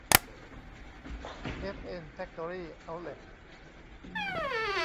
เอฟเอ็น แฟคตอรี่ เอ๊าท์เลท